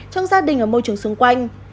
trong gia đình và môi trường xung quanh